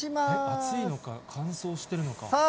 暑いのか、乾燥してるのか。